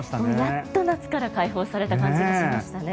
やっと夏から解放された感じがしましたね。